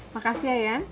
makasih ya yan